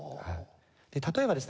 例えばですね